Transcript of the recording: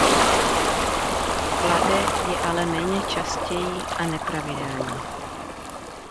Klade je ale méně častěji a nepravidelně.